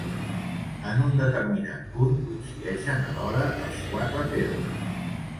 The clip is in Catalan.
En un determinat punt, coincideixen alhora els quatre termes.